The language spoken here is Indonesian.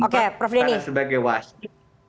karena sebagai wasit